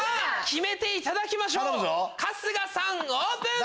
決めていただきましょう春日さんオープン！